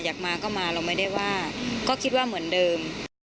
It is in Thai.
อยากมาก็มาเราไม่ได้ว่าก็คิดว่าเหมือนเดิม